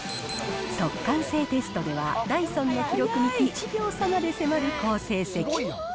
速乾性テストでは、ダイソンの記録に１秒差まで迫る好成績。